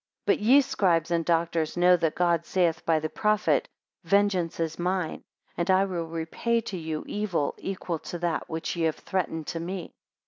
But ye scribes and doctors know that God saith by the prophet, Vengeance is mine, and I will repay to you evil equal to that which ye have threatened to me.